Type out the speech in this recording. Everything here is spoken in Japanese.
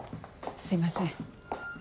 すいません。